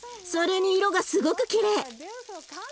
それに色がすごくきれい。